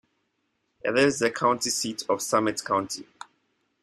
It is the county seat of Summit County.